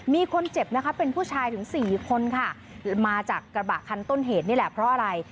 มีคนเจ็บนะคะเป็นผู้ชายถึงสี่คนค่ะมาจากกระบะคันต้นเหตุนี่แหละเพราะอะไร